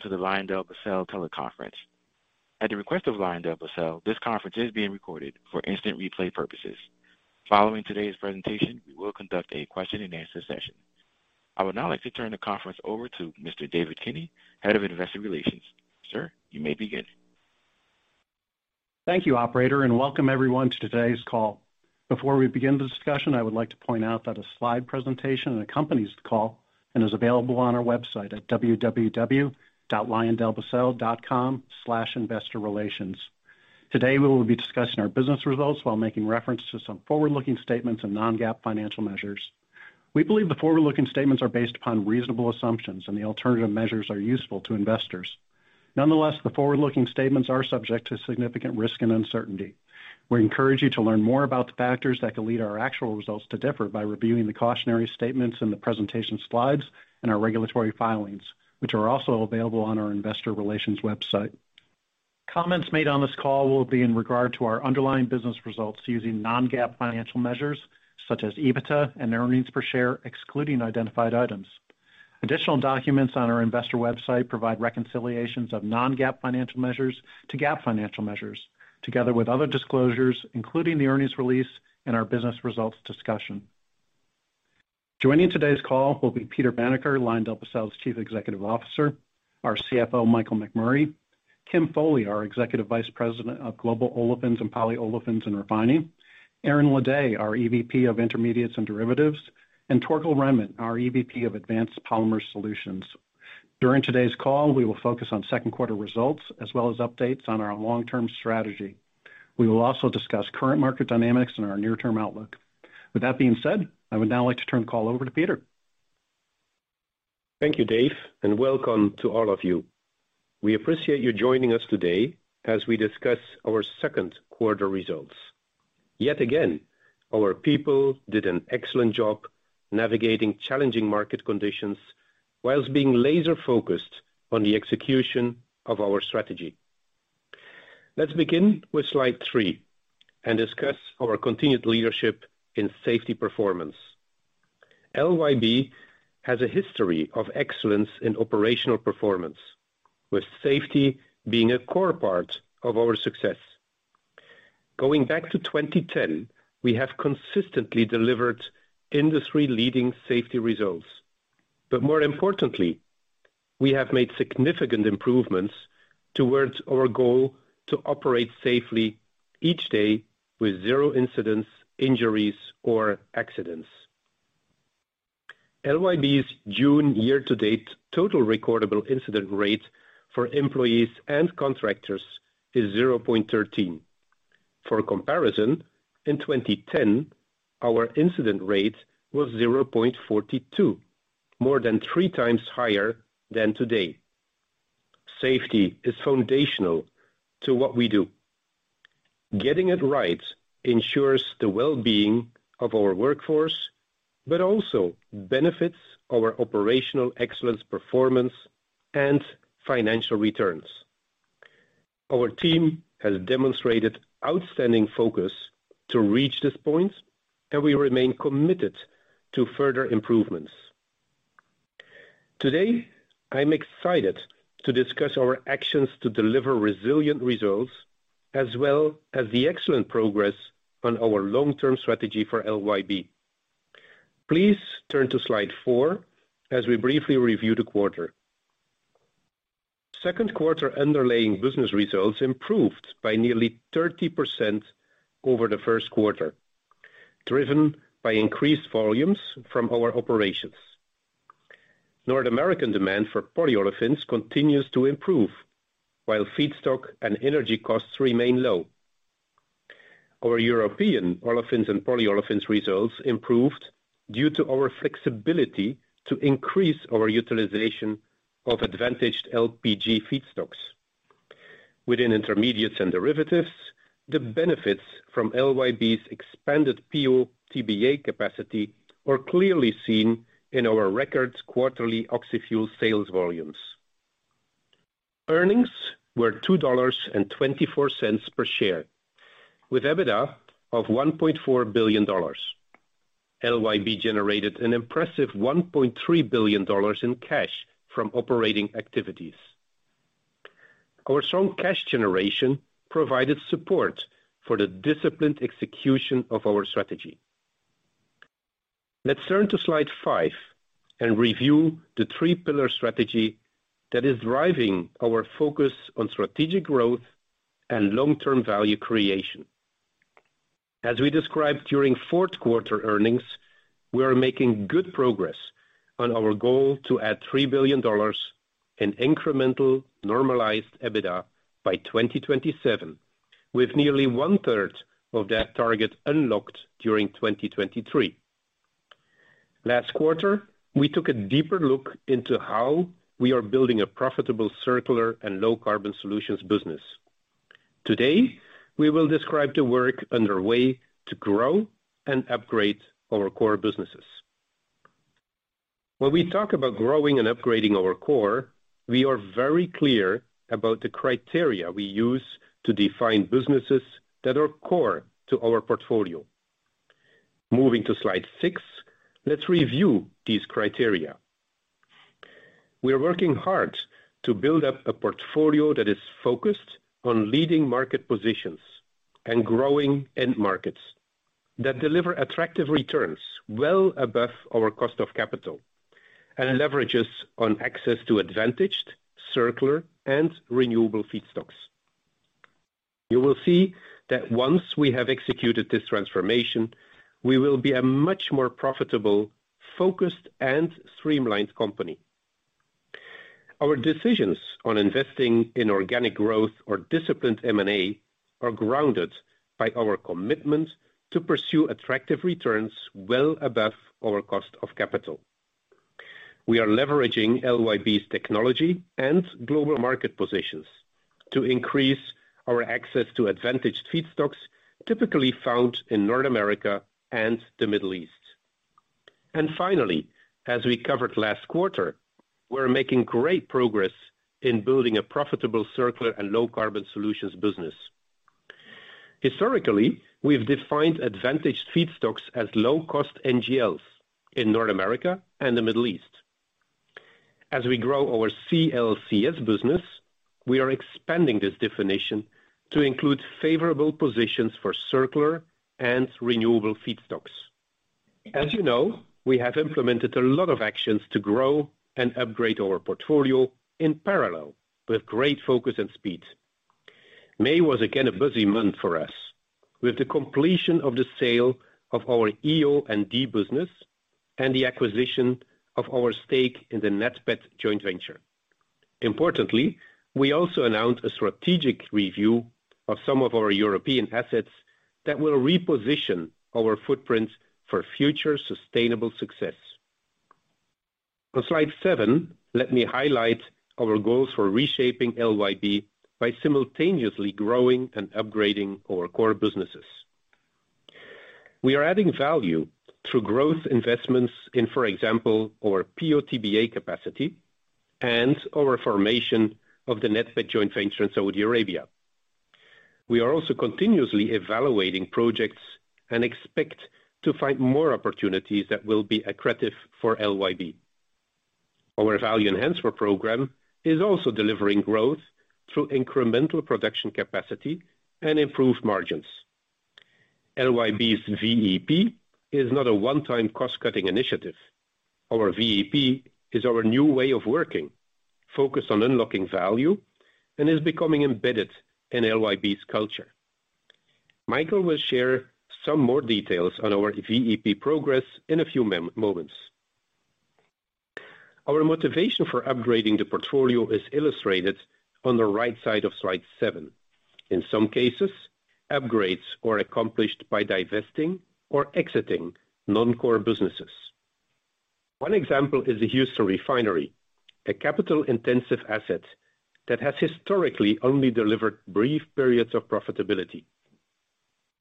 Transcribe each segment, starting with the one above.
Hello, and welcome to the LyondellBasell teleconference. At the request of LyondellBasell, this conference is being recorded for instant replay purposes. Following today's presentation, we will conduct a question-and-answer session. I would now like to turn the conference over to Mr. David Kinney, Head of Investor Relations. Sir, you may begin. Thank you, Operator, and welcome everyone to today's call. Before we begin the discussion, I would like to point out that a slide presentation accompanies the call and is available on our website at www.lyondellbasell.com/investorrelations. Today, we will be discussing our business results while making reference to some forward-looking statements and non-GAAP financial measures. We believe the forward-looking statements are based upon reasonable assumptions, and the alternative measures are useful to investors. Nonetheless, the forward-looking statements are subject to significant risk and uncertainty. We encourage you to learn more about the factors that could lead our actual results to differ by reviewing the cautionary statements in the presentation slides and our regulatory filings, which are also available on our Investor Relations website. Comments made on this call will be in regard to our underlying business results using non-GAAP financial measures such as EBITDA and earnings per share, excluding identified items. Additional documents on our investor website provide reconciliations of non-GAAP financial measures to GAAP financial measures, together with other disclosures, including the earnings release and our business results discussion. Joining today's call will be Peter Vanacker, LyondellBasell's Chief Executive Officer, our CFO, Michael McMurray, Kim Foley, our Executive Vice President of Global Olefins and Polyolefins and Refining, Aaron Ledet, our EVP of Intermediates and Derivatives, and Torkel Rhenman, our EVP of Advanced Polymer Solutions. During today's call, we will focus on second-quarter results as well as updates on our long-term strategy. We will also discuss current market dynamics and our near-term outlook. With that being said, I would now like to turn the call over to Peter. Thank you, Dave, and welcome to all of you. We appreciate you joining us today as we discuss our second-quarter results. Yet again, our people did an excellent job navigating challenging market conditions while being laser-focused on the execution of our strategy. Let's begin with slide three and discuss our continued leadership in safety performance. LYB has a history of excellence in operational performance, with safety being a core part of our success. Going back to 2010, we have consistently delivered industry-leading safety results. But more importantly, we have made significant improvements towards our goal to operate safely each day with zero incidents, injuries, or accidents. LYB's June year-to-date total recordable incident rate for employees and contractors is 0.13. For comparison, in 2010, our incident rate was 0.42, more than three times higher than today. Safety is foundational to what we do. Getting it right ensures the well-being of our workforce but also benefits our operational excellence performance and financial returns. Our team has demonstrated outstanding focus to reach this point, and we remain committed to further improvements. Today, I'm excited to discuss our actions to deliver resilient results as well as the excellent progress on our long-term strategy for LYB. Please turn to slide four as we briefly review the quarter. Second-quarter underlying business results improved by nearly 30% over the first quarter, driven by increased volumes from our operations. North American demand for polyolefins continues to improve, while feedstock and energy costs remain low. Our European olefins and polyolefins results improved due to our flexibility to increase our utilization of advantaged LPG feedstocks. Within intermediates and derivatives, the benefits from LYB's expanded PO/TBA capacity are clearly seen in our record quarterly oxyfuel sales volumes. Earnings were $2.24 per share, with EBITDA of $1.4 billion. LYB generated an impressive $1.3 billion in cash from operating activities. Our strong cash generation provided support for the disciplined execution of our strategy. Let's turn to slide five and review the three-pillar strategy that is driving our focus on strategic growth and long-term value creation. As we described during fourth-quarter earnings, we are making good progress on our goal to add $3 billion in incremental normalized EBITDA by 2027, with nearly one-third of that target unlocked during 2023. Last quarter, we took a deeper look into how we are building a profitable circular and low-carbon solutions business. Today, we will describe the work underway to grow and upgrade our core businesses. When we talk about growing and upgrading our core, we are very clear about the criteria we use to define businesses that are core to our portfolio. Moving to slide six, let's review these criteria. We are working hard to build up a portfolio that is focused on leading market positions and growing end markets that deliver attractive returns well above our cost of capital and leverages on access to advantaged, circular, and renewable feedstocks. You will see that once we have executed this transformation, we will be a much more profitable, focused, and streamlined company. Our decisions on investing in organic growth or disciplined M&A are grounded by our commitment to pursue attractive returns well above our cost of capital. We are leveraging LYB's technology and global market positions to increase our access to advantaged feedstocks typically found in North America and the Middle East. And finally, as we covered last quarter, we're making great progress in building a profitable circular and low-carbon solutions business. Historically, we've defined advantaged feedstocks as low-cost NGLs in North America and the Middle East. As we grow our CLCS business, we are expanding this definition to include favorable positions for circular and renewable feedstocks. As you know, we have implemented a lot of actions to grow and upgrade our portfolio in parallel with great focus and speed. May was again a busy month for us, with the completion of the sale of our EO&D business and the acquisition of our stake in the NATPET joint venture. Importantly, we also announced a strategic review of some of our European assets that will reposition our footprint for future sustainable success. On slide seven, let me highlight our goals for reshaping LYB by simultaneously growing and upgrading our core businesses. We are adding value through growth investments in, for example, our PO/TBA capacity and our formation of the NATPET joint venture in Saudi Arabia. We are also continuously evaluating projects and expect to find more opportunities that will be attractive for LYB. Our value enhancement program is also delivering growth through incremental production capacity and improved margins. LYB's VEP is not a one-time cost-cutting initiative. Our VEP is our new way of working, focused on unlocking value and is becoming embedded in LYB's culture. Michael will share some more details on our VEP progress in a few moments. Our motivation for upgrading the portfolio is illustrated on the right side of slide seven. In some cases, upgrades are accomplished by divesting or exiting non-core businesses. One example is the Houston Refinery, a capital-intensive asset that has historically only delivered brief periods of profitability.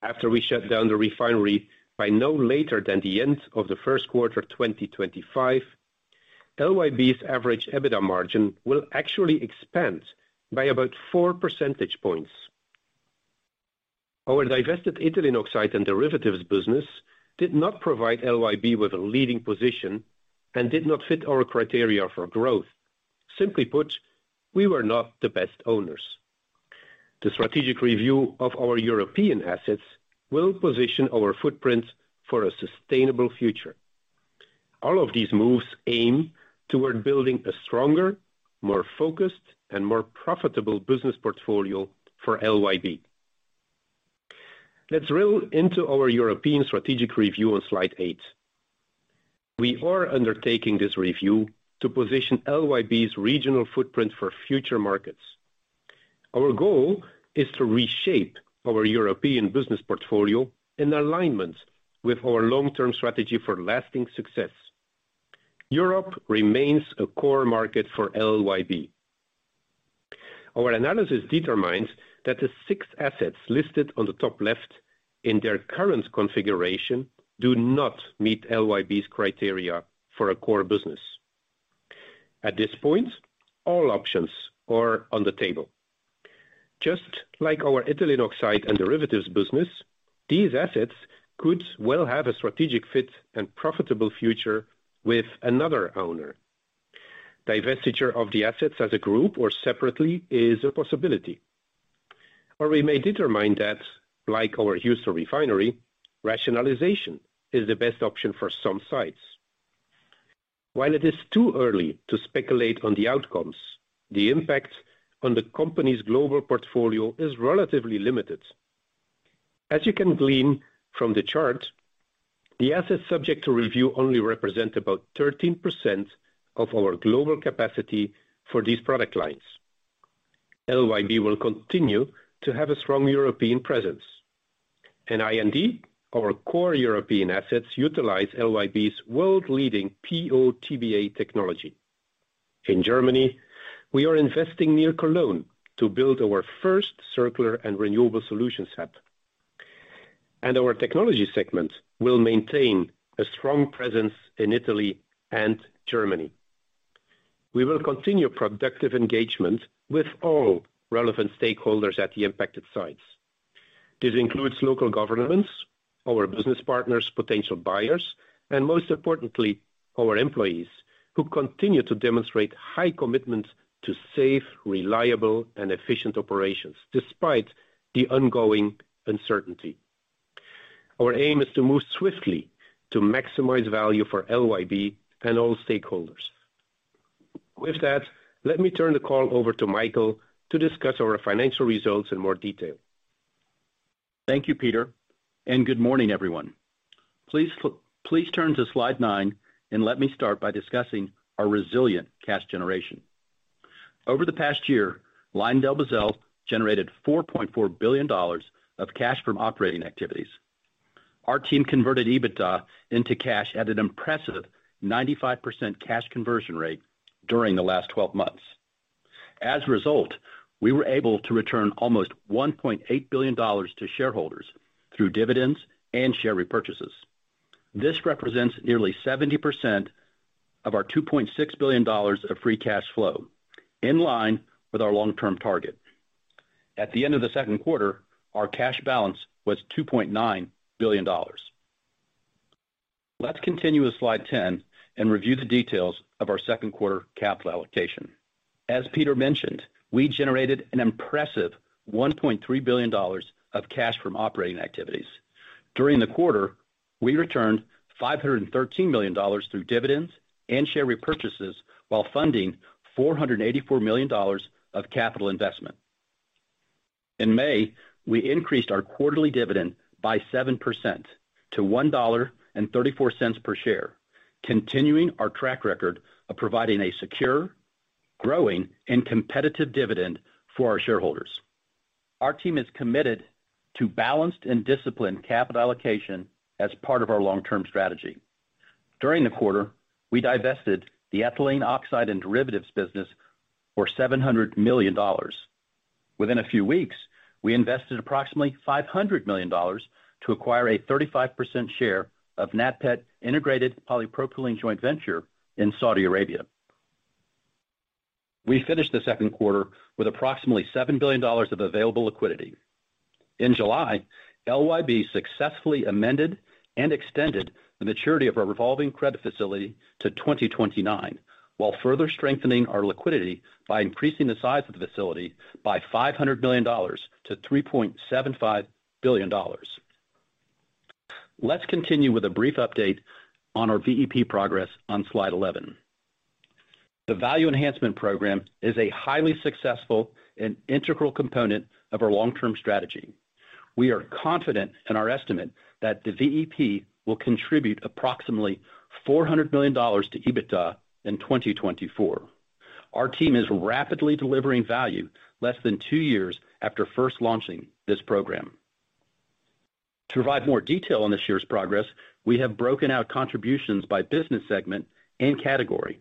After we shut down the refinery by no later than the end of the first quarter of 2025, LYB's average EBITDA margin will actually expand by about four percentage points. Our divested ethylene oxide and derivatives business did not provide LYB with a leading position and did not fit our criteria for growth. Simply put, we were not the best owners. The strategic review of our European assets will position our footprint for a sustainable future. All of these moves aim toward building a stronger, more focused, and more profitable business portfolio for LYB. Let's drill into our European strategic review on slide eight. We are undertaking this review to position LYB's regional footprint for future markets. Our goal is to reshape our European business portfolio in alignment with our long-term strategy for lasting success. Europe remains a core market for LYB. Our analysis determines that the six assets listed on the top left in their current configuration do not meet LYB's criteria for a core business. At this point, all options are on the table. Just like our ethylene oxide and derivatives business, these assets could well have a strategic fit and profitable future with another owner. Divestiture of the assets as a group or separately is a possibility. Or we may determine that, like our Houston Refinery, rationalization is the best option for some sites. While it is too early to speculate on the outcomes, the impact on the company's global portfolio is relatively limited. As you can glean from the chart, the assets subject to review only represent about 13% of our global capacity for these product lines. LYB will continue to have a strong European presence. In I&D, our core European assets utilize LYB's world-leading PO/TBA technology. In Germany, we are investing near Cologne to build our first circular and renewable solutions hub. Our technology segment will maintain a strong presence in Italy and Germany. We will continue productive engagement with all relevant stakeholders at the impacted sites. This includes local governments, our business partners, potential buyers, and most importantly, our employees who continue to demonstrate high commitment to safe, reliable, and efficient operations despite the ongoing uncertainty. Our aim is to move swiftly to maximize value for LYB and all stakeholders. With that, let me turn the call over to Michael to discuss our financial results in more detail. Thank you, Peter. Good morning, everyone. Please turn to slide nine and let me start by discussing our resilient cash generation. Over the past year, LyondellBasell generated $4.4 billion of cash from operating activities. Our team converted EBITDA into cash at an impressive 95% cash conversion rate during the last 12 months. As a result, we were able to return almost $1.8 billion to shareholders through dividends and share repurchases. This represents nearly 70% of our $2.6 billion of free cash flow, in line with our long-term target. At the end of the second quarter, our cash balance was $2.9 billion. Let's continue with slide 10 and review the details of our second quarter capital allocation. As Peter mentioned, we generated an impressive $1.3 billion of cash from operating activities. During the quarter, we returned $513 million through dividends and share repurchases while funding $484 million of capital investment. In May, we increased our quarterly dividend by 7% to $1.34 per share, continuing our track record of providing a secure, growing, and competitive dividend for our shareholders. Our team is committed to balanced and disciplined capital allocation as part of our long-term strategy. During the quarter, we divested the ethylene oxide and derivatives business for $700 million. Within a few weeks, we invested approximately $500 million to acquire a 35% share of NATPET Integrated Polypropylene Joint Venture in Saudi Arabia. We finished the second quarter with approximately $7 billion of available liquidity. In July, LYB successfully amended and extended the maturity of our revolving credit facility to 2029, while further strengthening our liquidity by increasing the size of the facility by $500 million to $3.75 billion. Let's continue with a brief update on our VEP progress on slide 11. The value enhancement program is a highly successful and integral component of our long-term strategy. We are confident in our estimate that the VEP will contribute approximately $400 million to EBITDA in 2024. Our team is rapidly delivering value less than two years after first launching this program. To provide more detail on this year's progress, we have broken out contributions by business segment and category.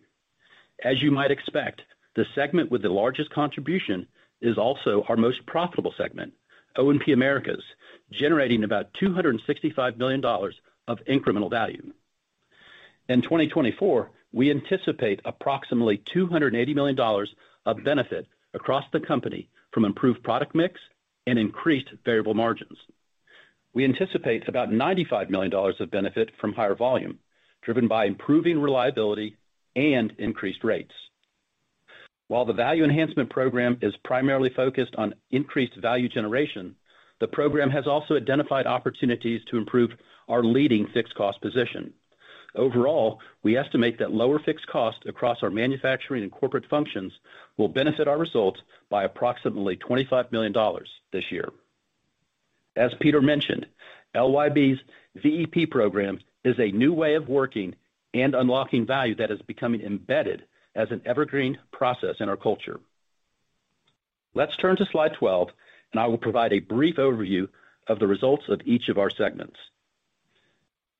As you might expect, the segment with the largest contribution is also our most profitable segment, O&P Americas, generating about $265 million of incremental value. In 2024, we anticipate approximately $280 million of benefit across the company from improved product mix and increased variable margins. We anticipate about $95 million of benefit from higher volume, driven by improving reliability and increased rates. While the value enhancement program is primarily focused on increased value generation, the program has also identified opportunities to improve our leading fixed cost position. Overall, we estimate that lower fixed costs across our manufacturing and corporate functions will benefit our results by approximately $25 million this year. As Peter mentioned, LYB's VEP program is a new way of working and unlocking value that is becoming embedded as an evergreen process in our culture. Let's turn to slide 12, and I will provide a brief overview of the results of each of our segments.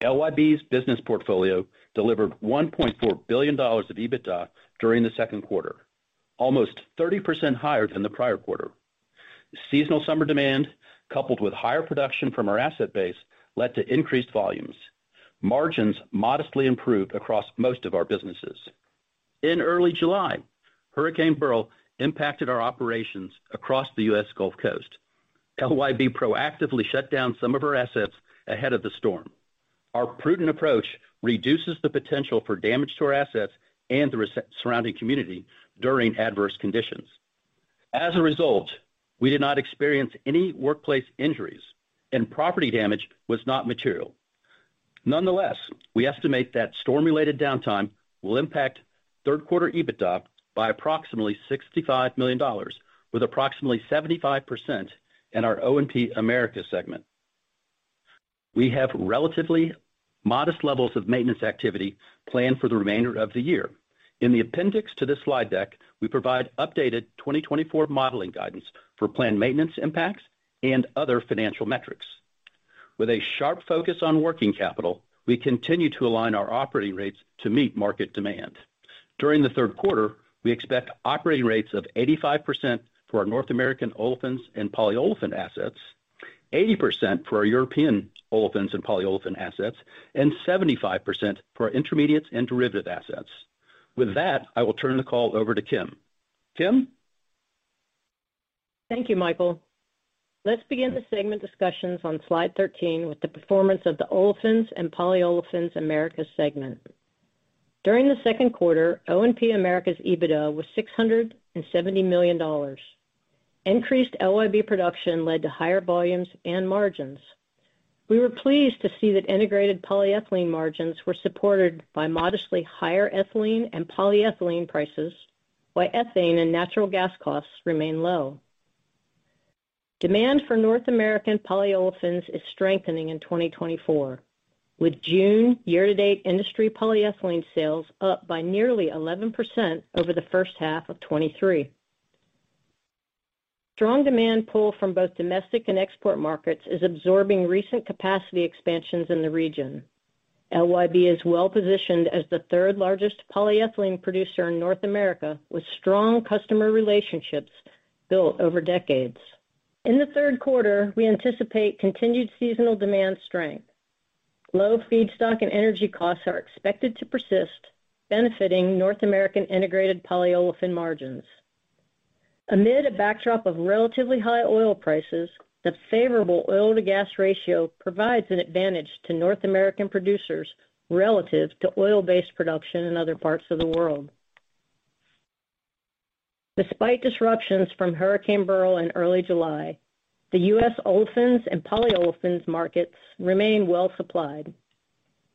LYB's business portfolio delivered $1.4 billion of EBITDA during the second quarter, almost 30% higher than the prior quarter. Seasonal summer demand, coupled with higher production from our asset base, led to increased volumes. Margins modestly improved across most of our businesses. In early July, Hurricane Beryl impacted our operations across the U.S. Gulf Coast. LYB proactively shut down some of our assets ahead of the storm. Our prudent approach reduces the potential for damage to our assets and the surrounding community during adverse conditions. As a result, we did not experience any workplace injuries, and property damage was not material. Nonetheless, we estimate that storm-related downtime will impact third-quarter EBITDA by approximately $65 million, with approximately 75% in our O&P America segment. We have relatively modest levels of maintenance activity planned for the remainder of the year. In the appendix to this slide deck, we provide updated 2024 modeling guidance for planned maintenance impacts and other financial metrics. With a sharp focus on working capital, we continue to align our operating rates to meet market demand. During the third quarter, we expect operating rates of 85% for our North American olefins and polyolefins assets, 80% for our European olefins and polyolefins assets, and 75% for our intermediates and derivatives assets. With that, I will turn the call over to Kim. Kim? Thank you, Michael. Let's begin the segment discussions on slide 13 with the performance of the olefins and polyolefins America segment. During the second quarter, O&P America's EBITDA was $670 million. Increased LYB production led to higher volumes and margins. We were pleased to see that integrated polyethylene margins were supported by modestly higher ethylene and polyethylene prices, while ethane and natural gas costs remain low. Demand for North American polyolefins is strengthening in 2024, with June year-to-date industry polyethylene sales up by nearly 11% over the first half of 2023. Strong demand pull from both domestic and export markets is absorbing recent capacity expansions in the region. LYB is well-positioned as the third-largest polyethylene producer in North America, with strong customer relationships built over decades. In the third quarter, we anticipate continued seasonal demand strength. Low feedstock and energy costs are expected to persist, benefiting North American integrated polyolefin margins. Amid a backdrop of relatively high oil prices, the favorable oil-to-gas ratio provides an advantage to North American producers relative to oil-based production in other parts of the world. Despite disruptions from Hurricane Beryl in early July, the U.S. olefins and polyolefins markets remain well-supplied.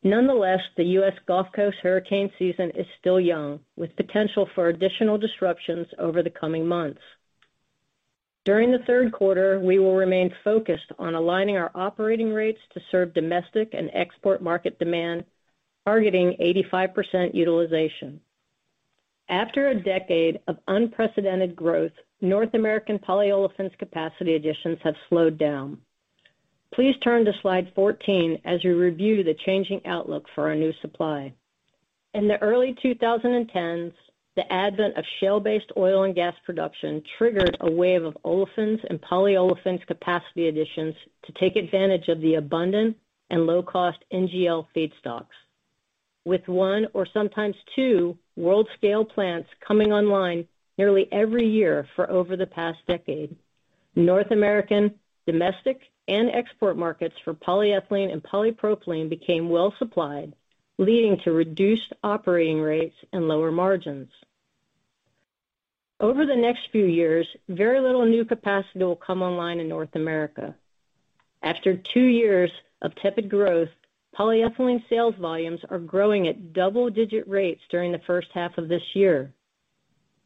Nonetheless, the U.S. Gulf Coast hurricane season is still young, with potential for additional disruptions over the coming months. During the third quarter, we will remain focused on aligning our operating rates to serve domestic and export market demand, targeting 85% utilization. After a decade of unprecedented growth, North American polyolefins capacity additions have slowed down. Please turn to slide 14 as we review the changing outlook for our new supply. In the early 2010s, the advent of shale-based oil and gas production triggered a wave of olefins and polyolefins capacity additions to take advantage of the abundant and low-cost NGL feedstocks. With one or sometimes two world-scale plants coming online nearly every year for over the past decade, North American, domestic, and export markets for polyethylene and polypropylene became well-supplied, leading to reduced operating rates and lower margins. Over the next few years, very little new capacity will come online in North America. After two years of tepid growth, polyethylene sales volumes are growing at double-digit rates during the first half of this year.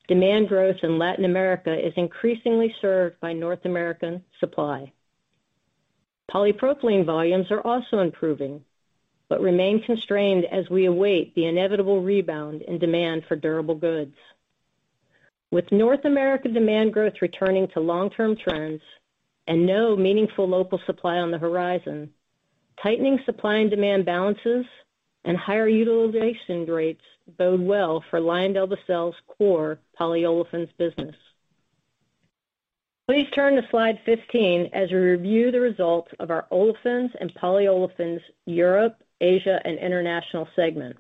Demand growth in Latin America is increasingly served by North American supply. Polypropylene volumes are also improving, but remain constrained as we await the inevitable rebound in demand for durable goods. With North America demand growth returning to long-term trends and no meaningful local supply on the horizon, tightening supply and demand balances and higher utilization rates bode well for LyondellBasell's core polyolefins business. Please turn to slide 15 as we review the results of our olefins and polyolefins Europe, Asia, and international segment.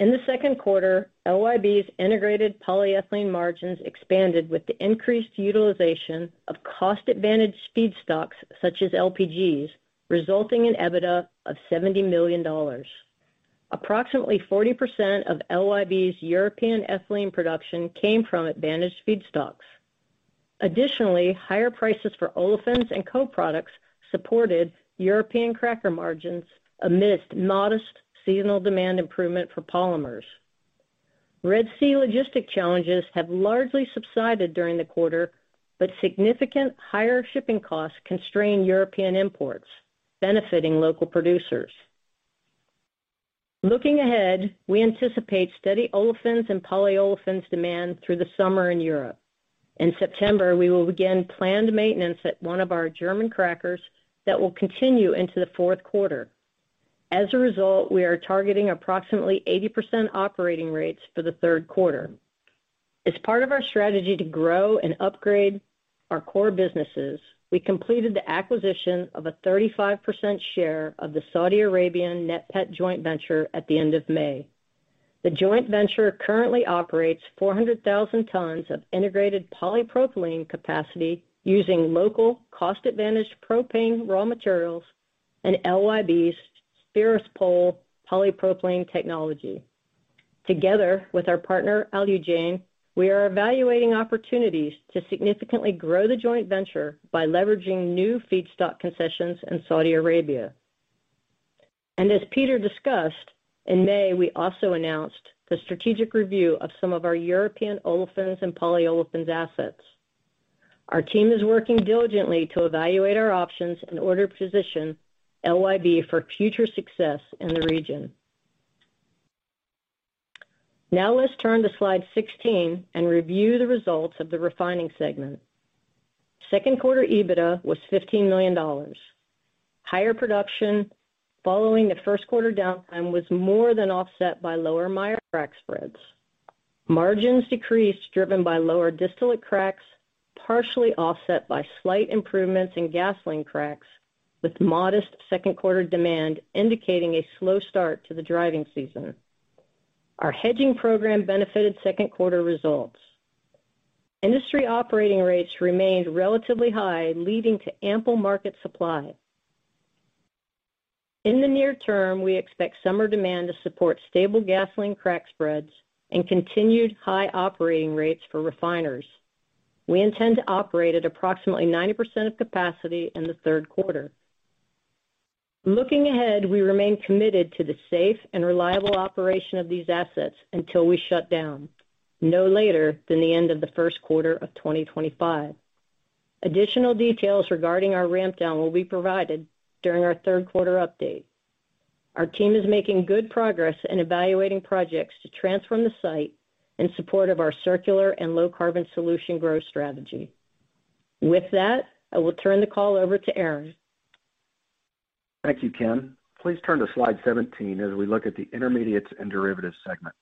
In the second quarter, LYB's integrated polyethylene margins expanded with the increased utilization of cost-advantaged feedstocks such as LPGs, resulting in EBITDA of $70 million. Approximately 40% of LYB's European ethylene production came from advantaged feedstocks. Additionally, higher prices for olefins and co-products supported European cracker margins amidst modest seasonal demand improvement for polymers. Red Sea logistics challenges have largely subsided during the quarter, but significant higher shipping costs constrain European imports, benefiting local producers. Looking ahead, we anticipate steady olefins and polyolefins demand through the summer in Europe. In September, we will begin planned maintenance at one of our German crackers that will continue into the fourth quarter. As a result, we are targeting approximately 80% operating rates for the third quarter. As part of our strategy to grow and upgrade our core businesses, we completed the acquisition of a 35% share of the Saudi Arabian NATPET Joint Venture at the end of May. The joint venture currently operates 400,000 tons of integrated polypropylene capacity using local cost-advantaged propane raw materials and LYB's Spheripol polypropylene technology. Together with our partner, Alujain, we are evaluating opportunities to significantly grow the joint venture by leveraging new feedstock concessions in Saudi Arabia. As Peter discussed, in May, we also announced the strategic review of some of our European olefins and polyolefins assets. Our team is working diligently to evaluate our options and to position LYB for future success in the region. Now let's turn to slide 16 and review the results of the refining segment. Second quarter EBITDA was $15 million. Higher production following the first quarter downtime was more than offset by lower 3:2:1 crack spreads. Margins decreased driven by lower distillate cracks, partially offset by slight improvements in gasoline cracks, with modest second-quarter demand indicating a slow start to the driving season. Our hedging program benefited second-quarter results. Industry operating rates remained relatively high, leading to ample market supply. In the near term, we expect summer demand to support stable gasoline crack spreads and continued high operating rates for refiners. We intend to operate at approximately 90% of capacity in the third quarter. Looking ahead, we remain committed to the safe and reliable operation of these assets until we shut down, no later than the end of the first quarter of 2025. Additional details regarding our ramp-down will be provided during our third-quarter update. Our team is making good progress in evaluating projects to transform the site in support of our circular and low-carbon solutions growth strategy. With that, I will turn the call over to Aaron. Thank you, Kim. Please turn to slide 17 as we look at the intermediates and derivatives segment.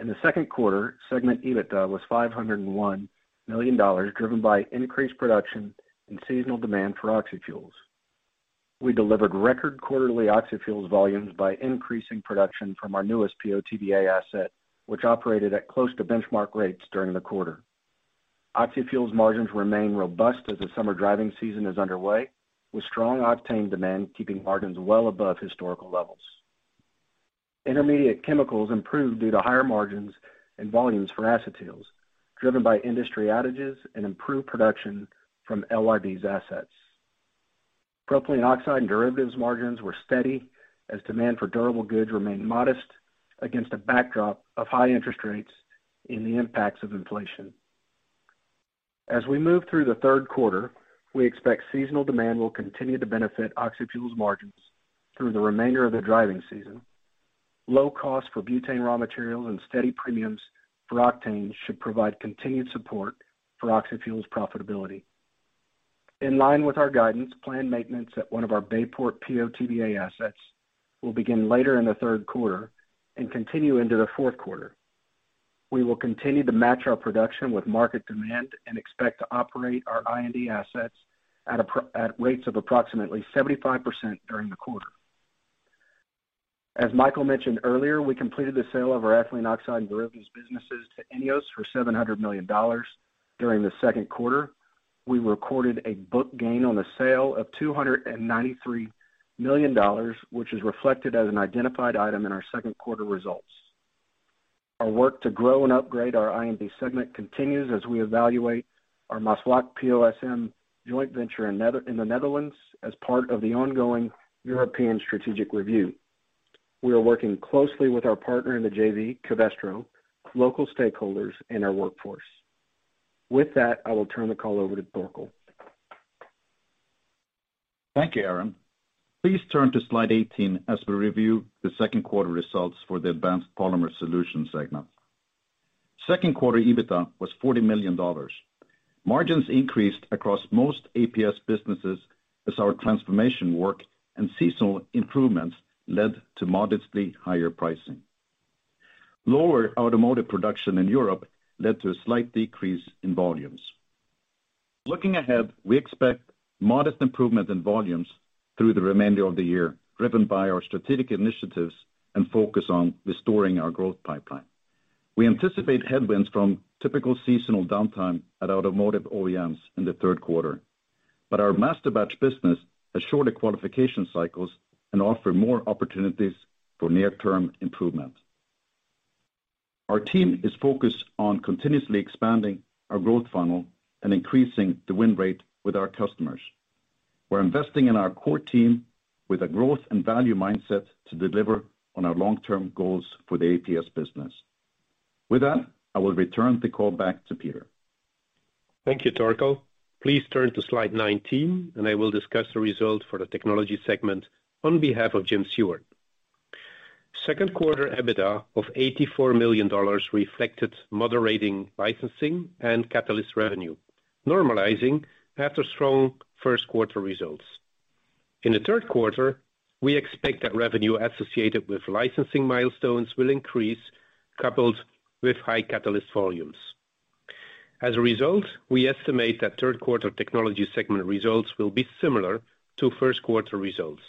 In the second quarter, segment EBITDA was $501 million, driven by increased production and seasonal demand for oxyfuels. We delivered record quarterly oxyfuels volumes by increasing production from our newest PO/TBA asset, which operated at close to benchmark rates during the quarter. Oxyfuels margins remain robust as the summer driving season is underway, with strong octane demand keeping margins well above historical levels. Intermediate chemicals improved due to higher margins and volumes for acetyls, driven by industry outages and improved production from LYB's assets. Propylene oxide and derivatives margins were steady as demand for durable goods remained modest against a backdrop of high interest rates and the impacts of inflation. As we move through the third quarter, we expect seasonal demand will continue to benefit oxy-fuels margins through the remainder of the driving season. Low costs for butane raw materials and steady premiums for octane should provide continued support for oxy-fuels profitability. In line with our guidance, planned maintenance at one of our Bayport PO/TBA assets will begin later in the third quarter and continue into the fourth quarter. We will continue to match our production with market demand and expect to operate our I&D assets at rates of approximately 75% during the quarter. As Michael mentioned earlier, we completed the sale of our ethylene oxide and derivatives businesses to INEOS for $700 million during the second quarter. We recorded a book gain on the sale of $293 million, which is reflected as an identified item in our second-quarter results. Our work to grow and upgrade our I&D segment continues as we evaluate our Maasvlakte PO/SM joint venture in the Netherlands as part of the ongoing European strategic review. We are working closely with our partner in the JV, Covestro, local stakeholders and our workforce. With that, I will turn the call over to Torkel. Thank you, Aaron. Please turn to slide 18 as we review the second-quarter results for the advanced polymer solutions segment. Second quarter EBITDA was $40 million. Margins increased across most APS businesses as our transformation work and seasonal improvements led to modestly higher pricing. Lower automotive production in Europe led to a slight decrease in volumes. Looking ahead, we expect modest improvements in volumes through the remainder of the year, driven by our strategic initiatives and focus on restoring our growth pipeline. We anticipate headwinds from typical seasonal downtime at automotive OEMs in the third quarter, but our masterbatch business has shorter qualification cycles and offers more opportunities for near-term improvement. Our team is focused on continuously expanding our growth funnel and increasing the win rate with our customers. We're investing in our core team with a growth and value mindset to deliver on our long-term goals for the APS business. With that, I will return the call back to Peter. Thank you, Torkel. Please turn to slide 19, and I will discuss the results for the technology segment on behalf of Jim Seward. Second quarter EBITDA of $84 million reflected moderating licensing and catalyst revenue, normalizing after strong first-quarter results. In the third quarter, we expect that revenue associated with licensing milestones will increase coupled with high catalyst volumes. As a result, we estimate that third-quarter technology segment results will be similar to first-quarter results.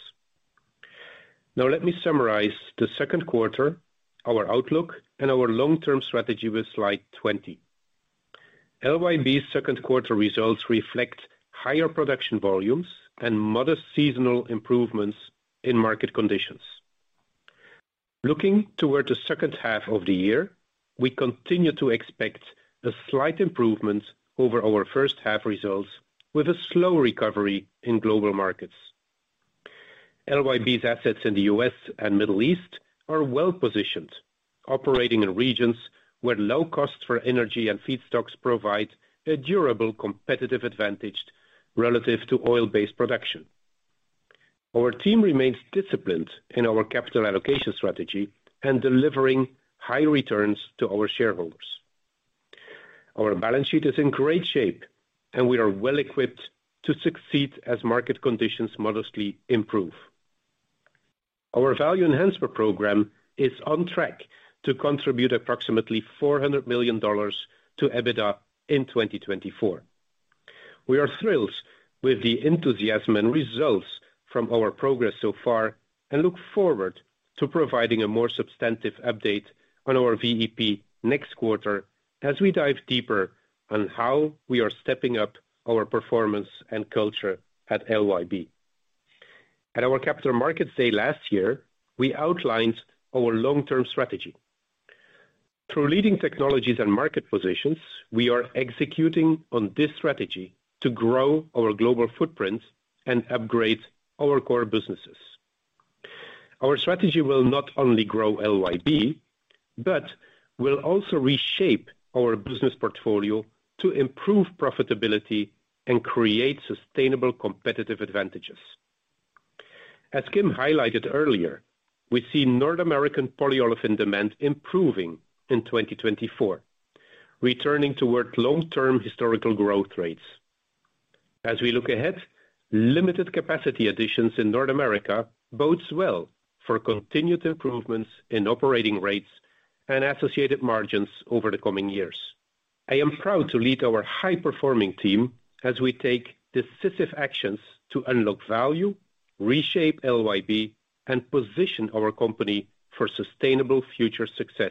Now let me summarize the second quarter, our outlook, and our long-term strategy with slide 20. LYB's second-quarter results reflect higher production volumes and modest seasonal improvements in market conditions. Looking toward the second half of the year, we continue to expect a slight improvement over our first-half results with a slow recovery in global markets. LYB's assets in the U.S. and Middle East are well-positioned, operating in regions where low costs for energy and feedstocks provide a durable competitive advantage relative to oil-based production. Our team remains disciplined in our capital allocation strategy and delivering high returns to our shareholders. Our balance sheet is in great shape, and we are well-equipped to succeed as market conditions modestly improve. Our value enhancement program is on track to contribute approximately $400 million to EBITDA in 2024. We are thrilled with the enthusiasm and results from our progress so far and look forward to providing a more substantive update on our VEP next quarter as we dive deeper on how we are stepping up our performance and culture at LYB. At our Capital Markets Day last year, we outlined our long-term strategy. Through leading technologies and market positions, we are executing on this strategy to grow our global footprint and upgrade our core businesses. Our strategy will not only grow LYB, but will also reshape our business portfolio to improve profitability and create sustainable competitive advantages. As Kim highlighted earlier, we see North American polyolefin demand improving in 2024, returning toward long-term historical growth rates. As we look ahead, limited capacity additions in North America bodes well for continued improvements in operating rates and associated margins over the coming years. I am proud to lead our high-performing team as we take decisive actions to unlock value, reshape LYB, and position our company for sustainable future success.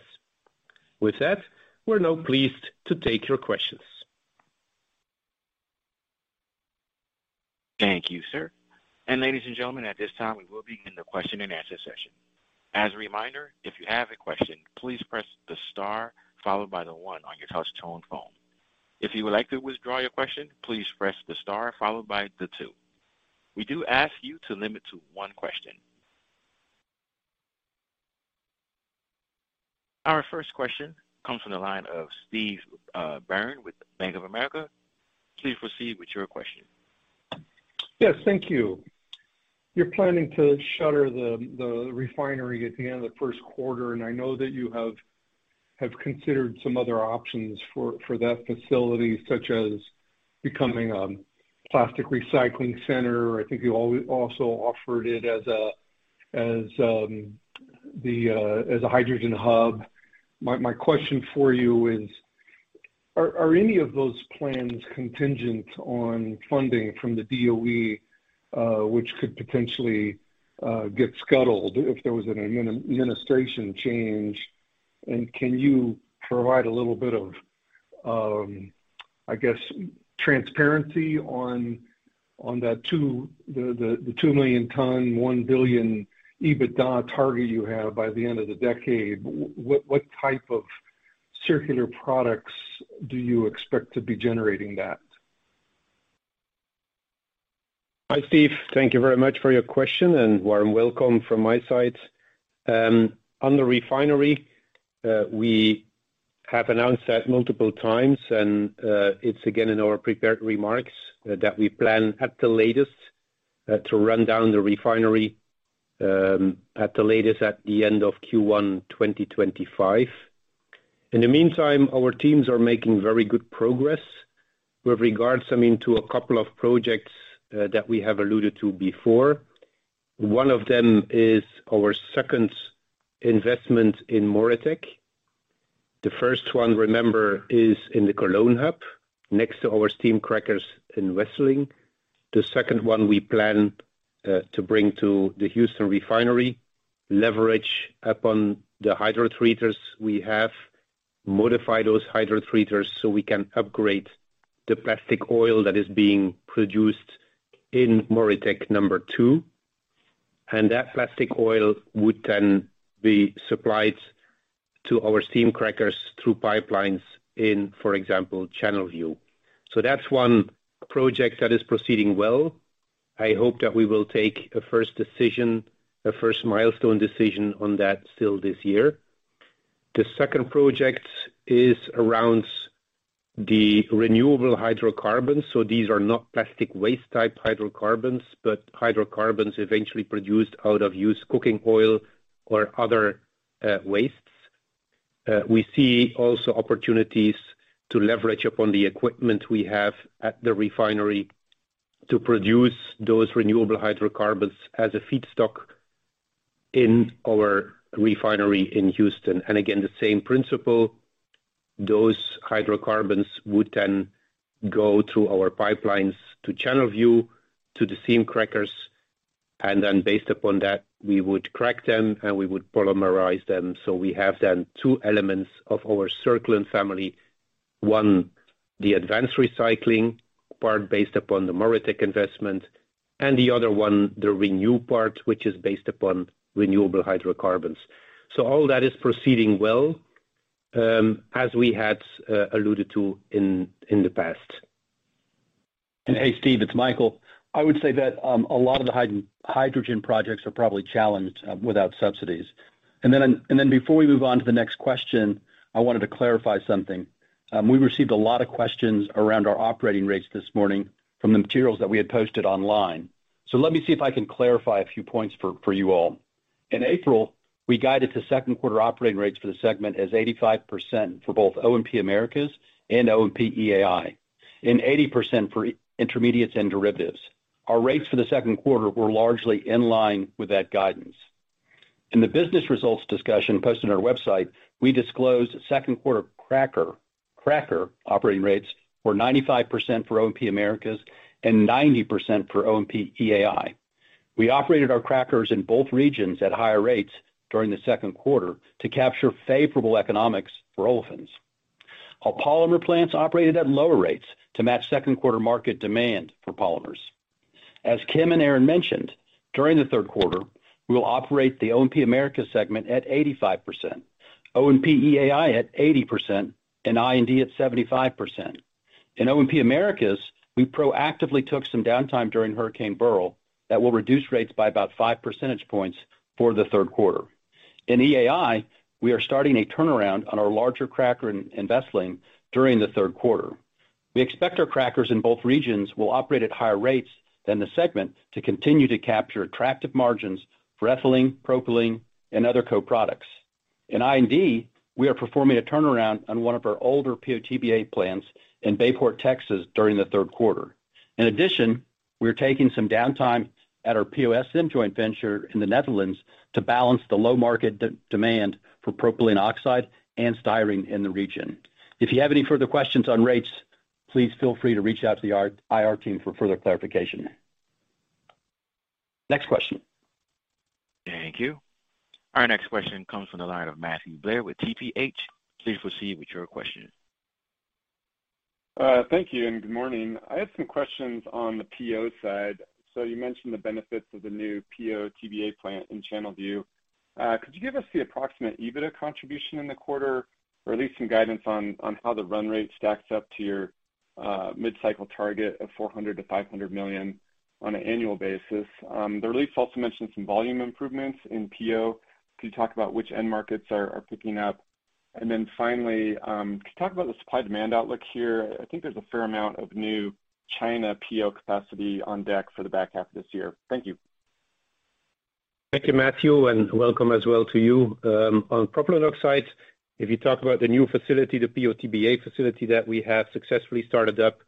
With that, we're now pleased to take your questions. Thank you, sir. And ladies and gentlemen, at this time, we will begin the question-and-answer session. As a reminder, if you have a question, please press the star followed by the one on your touch-tone phone. If you would like to withdraw your question, please press the star followed by the two. We do ask you to limit to one question. Our first question comes from the line of Steve Byrne with Bank of America. Please proceed with your question. Yes, thank you. You're planning to shutter the refinery at the end of the first quarter, and I know that you have considered some other options for that facility, such as becoming a plastic recycling center. I think you also offered it as a hydrogen hub. My question for you is, are any of those plans contingent on funding from the DOE, which could potentially get scuttled if there was an administration change? And can you provide a little bit of, I guess, transparency on the 2 million-ton, $1 billion EBITDA target you have by the end of the decade? What type of circular products do you expect to be generating that? Hi, Steve. Thank you very much for your question, and warm welcome from my side. On the refinery, we have announced that multiple times, and it's again in our prepared remarks that we plan, at the latest, to run down the refinery at the latest at the end of Q1 2025. In the meantime, our teams are making very good progress with regards to a couple of projects that we have alluded to before. One of them is our second investment in MoReTec. The first one, remember, is in the Cologne hub, next to our steam crackers and Wesseling. The second one we plan to bring to the Houston refinery, leverage upon the hydrotreaters we have, modify those hydrotreaters so we can upgrade the plastic oil that is being produced in MoReTec number two. That plastic oil would then be supplied to our steam crackers through pipelines in, for example, Channelview. That's one project that is proceeding well. I hope that we will take a first decision, a first milestone decision on that still this year. The second project is around the renewable hydrocarbons. These are not plastic waste-type hydrocarbons, but hydrocarbons eventually produced out of used cooking oil or other wastes. We see also opportunities to leverage upon the equipment we have at the refinery to produce those renewable hydrocarbons as a feedstock in our refinery in Houston. Again, the same principle, those hydrocarbons would then go through our pipelines to Channelview, to the steam crackers, and then based upon that, we would crack them and we would polymerize them. We have then two elements of our circular family. One, the advanced recycling part based upon the MoReTec investment, and the other one, the renew part, which is based upon renewable hydrocarbons. All that is proceeding well, as we had alluded to in the past. Hey, Steve, it's Michael. I would say that a lot of the hydrogen projects are probably challenged without subsidies. Then before we move on to the next question, I wanted to clarify something. We received a lot of questions around our operating rates this morning from the materials that we had posted online. Let me see if I can clarify a few points for you all. In April, we guided the second quarter operating rates for the segment as 85% for both O&P Americas and O&P EAI, and 80% for intermediates and derivatives. Our rates for the second quarter were largely in line with that guidance. In the business results discussion posted on our website, we disclosed second quarter cracker operating rates were 95% for O&P Americas and 90% for O&P EAI. We operated our crackers in both regions at higher rates during the second quarter to capture favorable economics for olefins. Our polymer plants operated at lower rates to match second quarter market demand for polymers. As Kim and Aaron mentioned, during the third quarter, we will operate the O&P Americas segment at 85%, O&P EAI at 80%, and I&D at 75%. In O&P Americas, we proactively took some downtime during Hurricane Beryl that will reduce rates by about five percentage points for the third quarter. In EAI, we are starting a turnaround on our larger cracker and Wesseling during the third quarter. We expect our crackers in both regions will operate at higher rates than the segment to continue to capture attractive margins for ethylene, propylene, and other co-products. In I&D, we are performing a turnaround on one of our older PO/TBA plants in Bayport, Texas, during the third quarter. In addition, we're taking some downtime at our PO/SM joint venture in the Netherlands to balance the low market demand for propylene oxide and styrene in the region. If you have any further questions on rates, please feel free to reach out to the IR team for further clarification. Next question. Thank you. Our next question comes from the line of Matthew Blair with TPH. Please proceed with your question. Thank you and good morning. I have some questions on the PO side. You mentioned the benefits of the new PO/TBA plant in Channelview. Could you give us the approximate EBITDA contribution in the quarter, or at least some guidance on how the run rate stacks up to your mid-cycle target of $400 million-$500 million on an annual basis? The release also mentioned some volume improvements in PO. Could you talk about which end markets are picking up? And then finally, could you talk about the supply-demand outlook here? I think there's a fair amount of new China PO capacity on deck for the back half of this year. Thank you. Thank you, Matthew, and welcome as well to you. On propylene oxide, if you talk about the new facility, the PO/TBA facility that we have successfully started up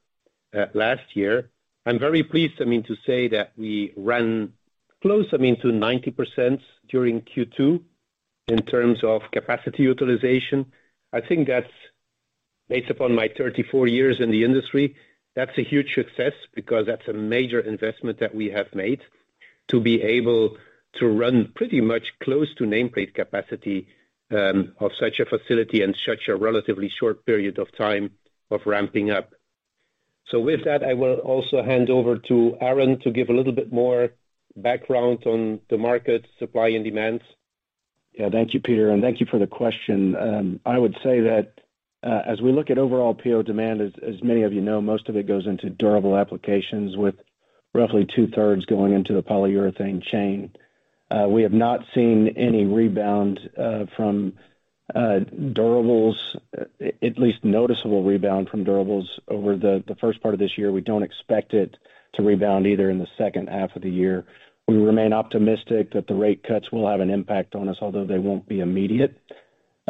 last year, I'm very pleased to say that we ran close to 90% during Q2 in terms of capacity utilization. I think that's based upon my 34 years in the industry. That's a huge success because that's a major investment that we have made to be able to run pretty much close to nameplate capacity of such a facility in such a relatively short period of time of ramping up. With that, I will also hand over to Aaron to give a little bit more background on the market supply and demands. Thank you, Peter, and thank you for the question. I would say that as we look at overall PO demand, as many of you know, most of it goes into durable applications with roughly two-thirds going into the polyurethane chain. We have not seen any rebound from durables, at least noticeable rebound from durables over the first part of this year. We don't expect it to rebound either in the second half of the year. We remain optimistic that the rate cuts will have an impact on us, although they won't be immediate.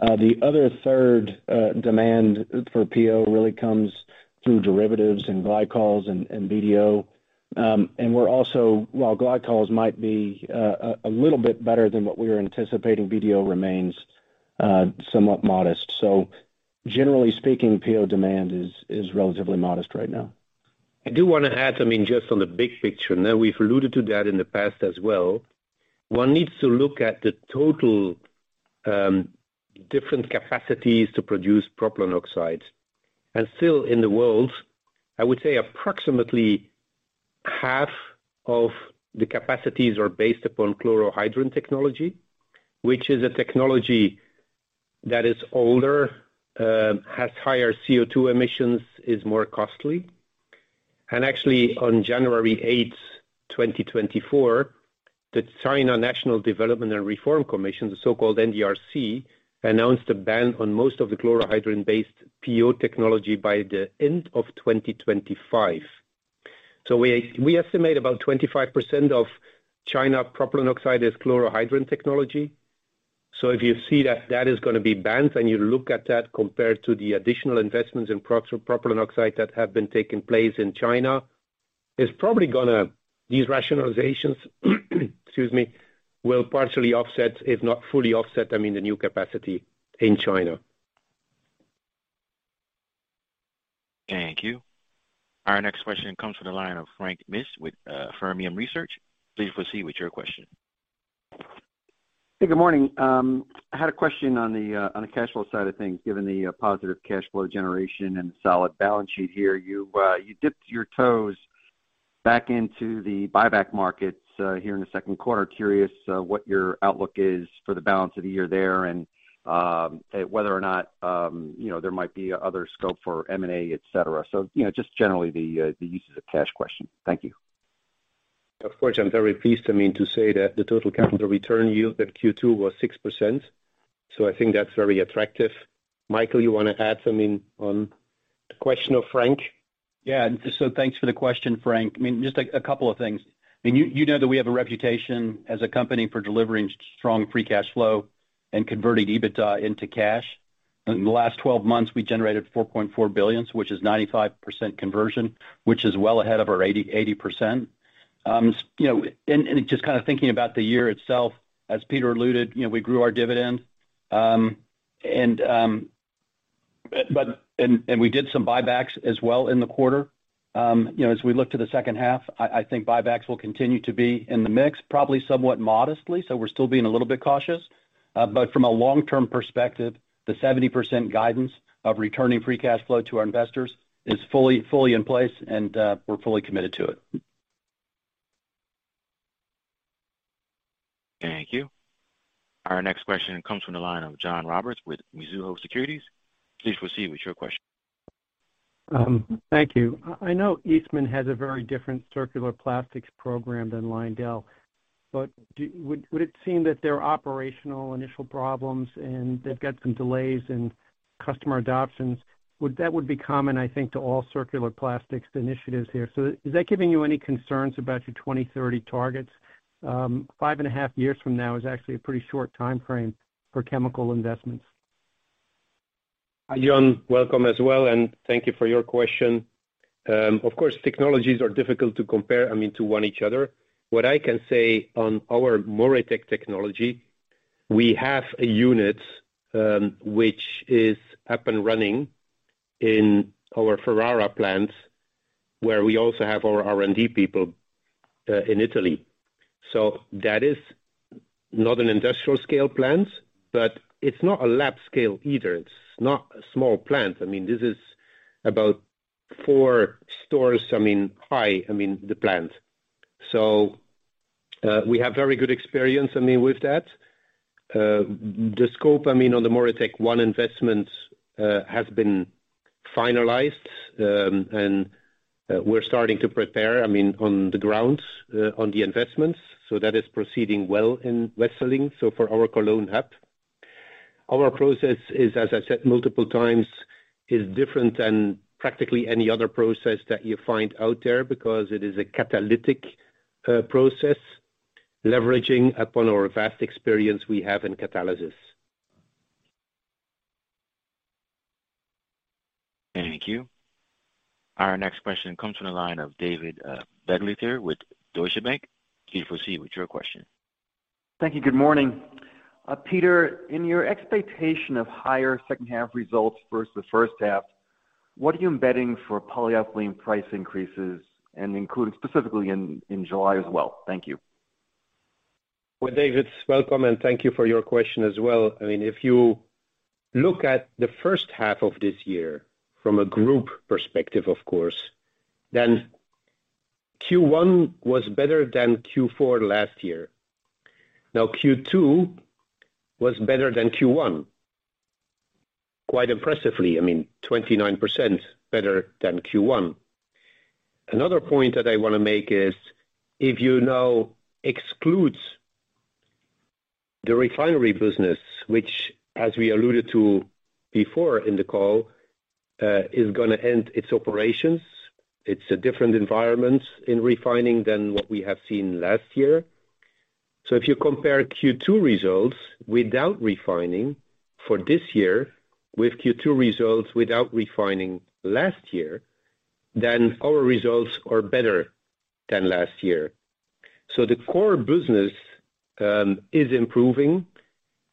The other third demand for PO really comes through derivatives and glycols and BDO. We're also, while glycols might be a little bit better than what we were anticipating, BDO remains somewhat modest. Generally speaking, PO demand is relatively modest right now. I do want to add, I mean, just on the big picture, and then we've alluded to that in the past as well. One needs to look at the total different capacities to produce propylene oxide. Still in the world, I would say approximately half of the capacities are based upon chlorohydrin technology, which is a technology that is older, has higher CO2 emissions, is more costly. Actually, on January 8th, 2024, the China National Development and Reform Commission, the so-called NDRC, announced a ban on most of the chlorohydrin-based PO technology by the end of 2025. We estimate about 25% of China propylene oxide is chlorohydrin technology. If you see that that is going to be banned and you look at that compared to the additional investments in propylene oxide that have been taking place in China, it's probably going to, these rationalizations. Excuse me, will partially offset, if not fully offset, I mean, the new capacity in China. Thank you. Our next question comes from the line of Frank Mitsch with Fermium Research. Please proceed with your question. Hey, good morning. I had a question on the cash flow side of things. Given the positive cash flow generation and the solid balance sheet here, you dipped your toes back into the buyback markets here in the second quarter. Curious what your outlook is for the balance of the year there and whether or not there might be other scope for M&A, etc. Just generally the uses of cash question. Thank you. I'm very pleased to say that the total capital return yield at Q2 was 6%. I think that's very attractive. Michael, you want to add something on the question of Frank? Thanks for the question, Frank. I mean, just a couple of things. I mean, you know that we have a reputation as a company for delivering strong free cash flow and converting EBITDA into cash. In the last 12 months, we generated $4.4 billion, which is 95% conversion, which is well ahead of our 80%. Just thinking about the year itself, as Peter alluded, we grew our dividend. We did some buybacks as well in the quarter. As we look to the second half, I think buybacks will continue to be in the mix, probably somewhat modestly. we're still being a little bit cautious. From a long-term perspective, the 70% guidance of returning free cash flow to our investors is fully in place, and we're fully committed to it. Thank you. Our next question comes from the line of John Roberts with Mizuho Securities. Please proceed with your question. Thank you. I know Eastman has a very different circular plastics program than Lyondell, but would it seem that there are operational initial problems and they've got some delays in customer adoptions? That would be common, I think, to all circular plastics initiatives here. So is that giving you any concerns about your 2030 targets? Five and a half years from now is actually a pretty short time frame for chemical investments. Hi, John. Welcome as well, and thank you for your question. Of course, technologies are difficult to compare, I mean, to one each other. What I can say on our MoReTec technology, we have a unit which is up and running in our Ferrara plants, where we also have our R&D people in Italy. That is not an industrial scale plant, but it's not a lab scale either. It's not a small plant. I mean, this is about four stories, I mean, high, I mean, the plant. We have very good experience, I mean, with that. The scope, I mean, on the MoReTec one investment has been finalized, and we're starting to prepare, I mean, on the ground on the investments. That is proceeding well in Wesseling. For our Cologne hub, our process is, as I said multiple times, is different than practically any other process that you find out there because it is a catalytic process leveraging upon our vast experience we have in catalysis. Thank you. Our next question comes from the line of David Begleiter here with Deutsche Bank. Please proceed with your question. Thank you. Good morning. Peter, in your expectation of higher second-half results versus the first half, what are you embedding for polyethylene price increases, and including specifically in July as well? Thank you. Well, David, welcome, and thank you for your question as well. I mean, if you look at the first half of this year from a group perspective, of course, then Q1 was better than Q4 last year. Now, Q2 was better than Q1, quite impressively. I mean, 29% better than Q1. Another point that I want to make is, if you now exclude the refinery business, which, as we alluded to before in the call, is going to end its operations, it's a different environment in refining than what we have seen last year. If you compare Q2 results without refining for this year with Q2 results without refining last year, then our results are better than last year. The core business is improving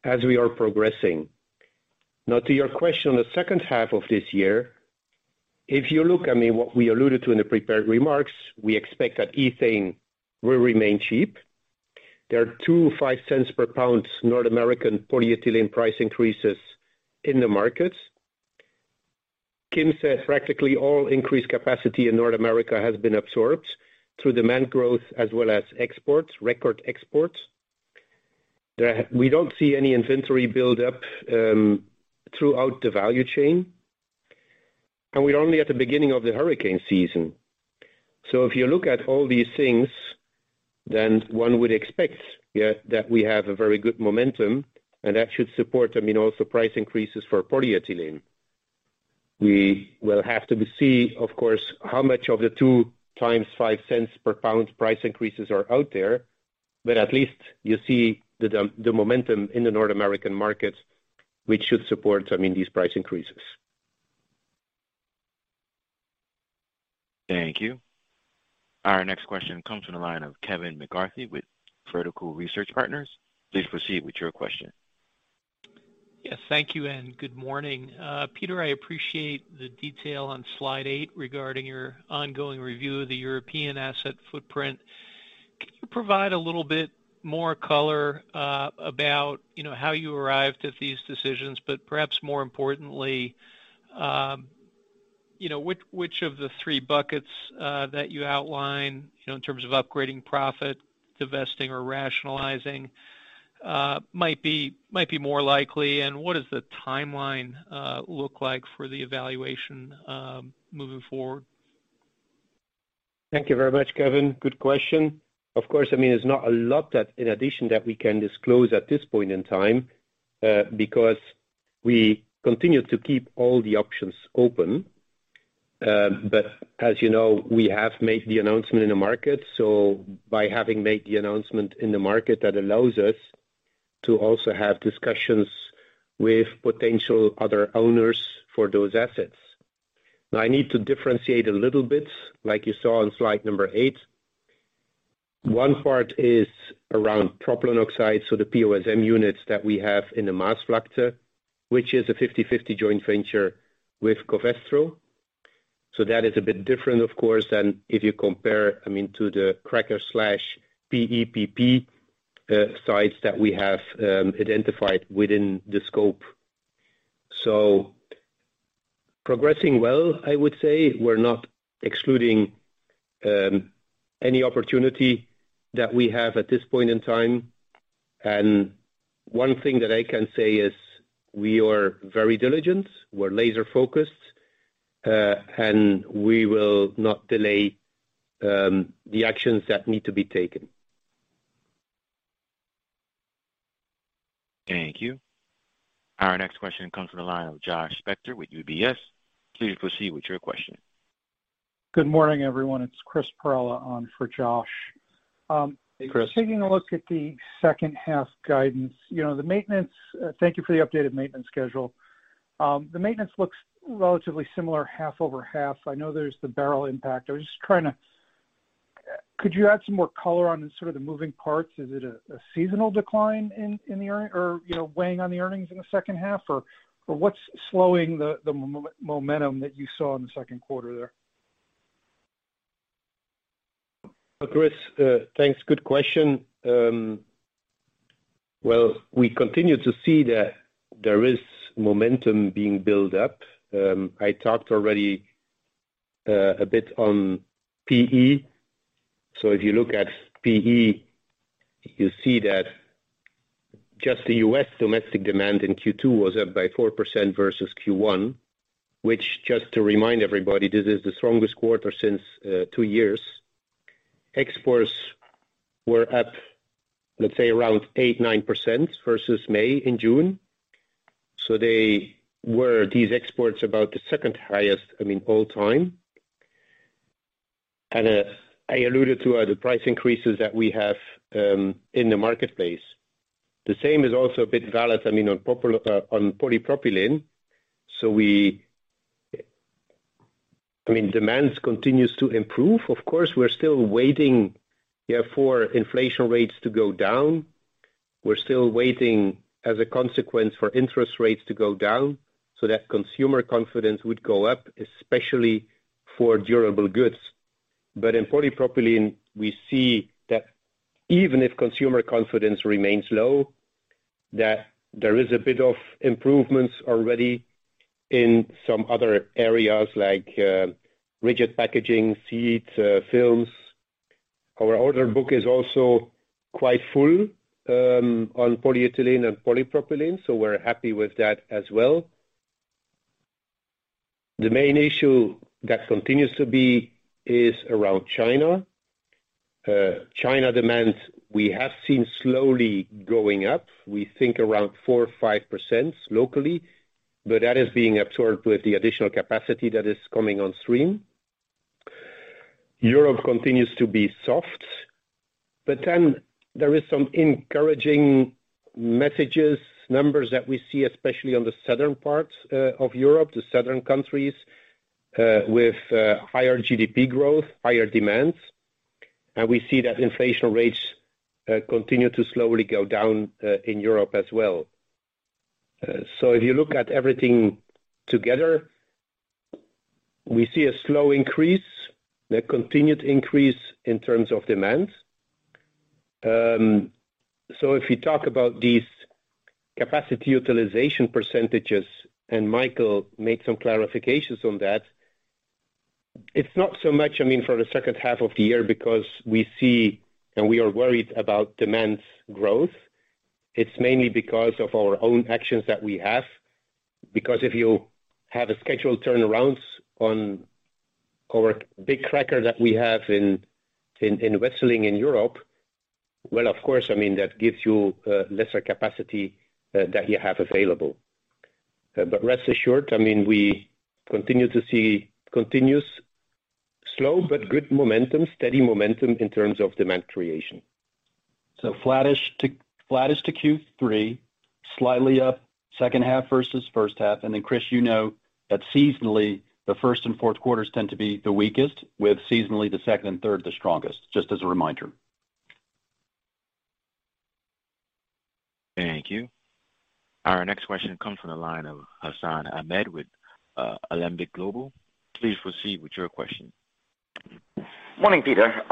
as we are progressing. Now, to your question on the second half of this year, if you look, I mean, what we alluded to in the prepared remarks, we expect that ethane will remain cheap. There are two $0.05-per-pound North American polyethylene price increases in the markets. Kim said practically all increased capacity in North America has been absorbed through demand growth as well as exports, record exports. We don't see any inventory buildup throughout the value chain, and we're only at the beginning of the hurricane season. If you look at all these things, then one would expect that we have a very good momentum, and that should support, I mean, also price increases for polyethylene. We will have to see, of course, how much of the two times $0.05 per pound price increases are out there, but at least you see the momentum in the North American market, which should support, I mean, these price increases. Thank you. Our next question comes from the line of Kevin McCarthy with Vertical Research Partners. Please proceed with your question. Yes, thank you, and good morning. Peter, I appreciate the detail on slide eight regarding your ongoing review of the European asset footprint. Can you provide a little bit more color about how you arrived at these decisions, but perhaps more importantly, which of the three buckets that you outline in terms of upgrading profit, divesting, or rationalizing might be more likely, and what does the timeline look like for the evaluation moving forward? Thank you very much, Kevin. Good question. Of course, I mean, it's not a lot in addition that we can disclose at this point in time because we continue to keep all the options open. As you know, we have made the announcement in the market. By having made the announcement in the market, that allows us to also have discussions with potential other owners for those assets. Now, I need to differentiate a little bit, like you saw on slide number eight. One part is around propylene oxide, so the PO/SM units that we have in the Maasvlakte, which is a 50/50 joint venture with Covestro. So that is a bit different, of course, than if you compare, I mean, to the cracker/PE/PP sites that we have identified within the scope. Progressing well, I would say. We're not excluding any opportunity that we have at this point in time. And one thing that I can say is we are very diligent. We're laser-focused, and we will not delay the actions that need to be taken. Thank you. Our next question comes from the line of Josh Spector with UBS. Please proceed with your question. Good morning, everyone. It's Chris Perrella on for Josh. Chris. Taking a look at the second half guidance, the maintenance, thank you for the updated maintenance schedule. The maintenance looks relatively similar, half over half. I know there's the Beryl impact. I was just trying to, could you add some more color on the moving parts? Is it a seasonal decline in the earning or weighing on the earnings in the second half, or what's slowing the momentum that you saw in the second quarter there? Chris, thanks. Good question. Well, we continue to see that there is momentum being built up. I talked already a bit on PE. So if you look at PE, you see that just the U.S. domestic demand in Q2 was up by 4% versus Q1, which, just to remind everybody, this is the strongest quarter since two years. Exports were up, let's say, around 8-9% versus May and June. These exports are about the second highest all time. I alluded to the price increases that we have in the marketplace. The same is also a bit valid, I mean, on polypropylene. Demand continues to improve. We're still waiting for inflation rates to go down. We're still waiting as a consequence for interest rates to go down so that consumer confidence would go up, especially for durable goods. In polypropylene, we see that even if consumer confidence remains low, that there is a bit of improvements already in some other areas like rigid packaging, seeds, films. Our order book is also quite full on polyethylene and polypropylene, so we're happy with that as well. The main issue that continues to be is around China. China demand we have seen slowly going up. We think around 4-5% locally, but that is being absorbed with the additional capacity that is coming on stream. Europe continues to be soft, but then there are some encouraging messages, numbers that we see, especially on the southern part of Europe, the southern countries with higher GDP growth, higher demands. We see that inflation rates continue to slowly go down in Europe as well. If you look at everything together, we see a slow increase, a continued increase in terms of demand. If you talk about these capacity utilization percentages, and Michael made some clarifications on that, it's not so much, I mean, for the second half of the year because we see and we are worried about demand growth. It's mainly because of our own actions that we have. Because if you have a scheduled turnaround on our big cracker that we have in Wesseling in Europe, well, of course, I mean, that gives you lesser capacity that you have available. Rest assured, I mean, we continue to see continuous slow, but good momentum, steady momentum in terms of demand creation. Flat is to Q3, slightly up second half versus first half. Then Chris that seasonally, the first and fourth quarters tend to be the weakest, with seasonally the second and third the strongest, just as a reminder. Thank you. Our next question comes from the line of Hassan Ahmed with Alembic Global. Please proceed with your question. Morning, Peter.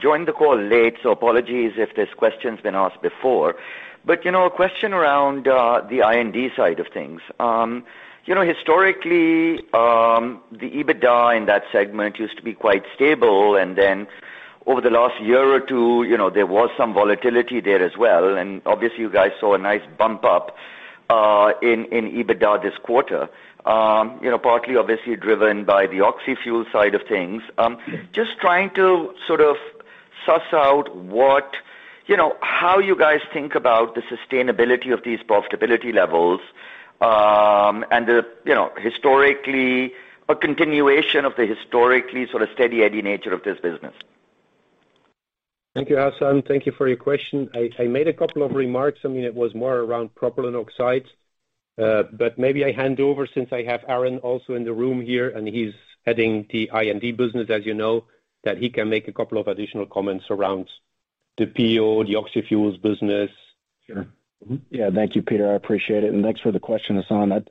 Joined the call late, so apologies if this question's been asked before. A question around the I&D side of things. Historically, the EBITDA in that segment used to be quite stable, and then over the last year or two, there was some volatility there as well. Obviously, you guys saw a nice bump up in EBITDA this quarter, partly obviously driven by the oxyfuels side of things. Just trying to suss out how you guys think about the sustainability of these profitability levels and the historically a continuation of the historically steady-eddy nature of this business. Thank you, Hassan. Thank you for your question. I made a couple of remarks. I mean, it was more around propylene oxides, but maybe I hand over since I have Aaron also in the room here, and he's heading the I&D business that he can make a couple of additional comments around the PO, the oxyfuels business. Thank you, Peter. I appreciate it. Thanks for the question, Hassan.